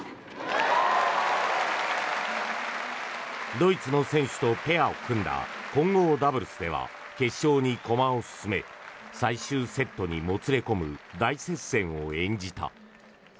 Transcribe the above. ドイツの選手とペアを組んだ混合ダブルスでは決勝に駒を進め最終セットにもつれ込む大接戦を演じた。